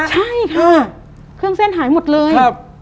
ใช่ค่ะเครื่องเส้นหายหมดเลย